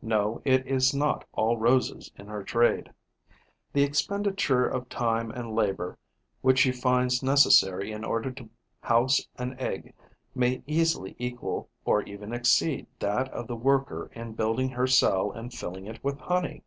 No, it is not all roses in her trade. The expenditure of time and labour which she finds necessary in order to house an egg may easily equal or even exceed that of the worker in building her cell and filling it with honey.